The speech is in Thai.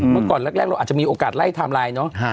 เมื่อก่อนแรกเราอาจจะมีโอกาสไล่ไทม์ไลน์เนาะ